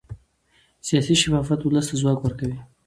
سیاسي شفافیت ولس ته ځواک ورکوي